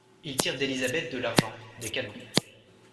Il tire d'Élisabeth de l'argent, des canons.